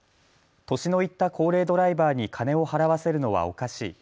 年のいった高齢ドライバーに金を払わせるのはおかしい。